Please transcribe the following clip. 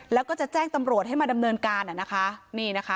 แล้วก็จะแจ้งตำรวจให้มาดำเนินการอ่ะนะคะนี่นะคะ